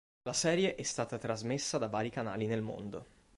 La serie è stata trasmessa da vari canali nel mondo.